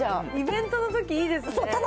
イベントのとき、いいですよね。